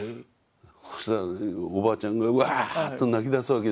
そしたらおばあちゃんがワーッと泣きだすわけですよ。